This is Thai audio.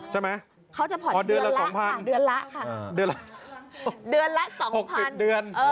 ใช่ไหมเดือนละ๒๐๐๐ค่ะเดือนละ๒๐๐๐ค่ะเดือนละ๖๐เดือน